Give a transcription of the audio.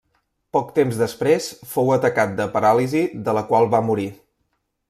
Poc temps després fou atacat de paràlisi de la qual va morir.